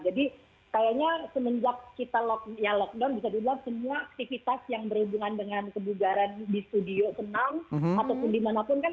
jadi kayaknya semenjak kita lockdown bisa dibilang semua aktivitas yang berhubungan dengan kebugaran di studio tenang ataupun dimanapun kan ini lagi stop semua kan